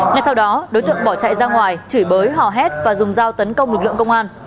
ngay sau đó đối tượng bỏ chạy ra ngoài chửi bới hò hét và dùng dao tấn công lực lượng công an